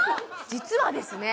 実はですね